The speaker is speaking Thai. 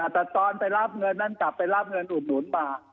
แต่ตอนไปรับเงินนั้นกลับไปรับเงินอุดหนุนมา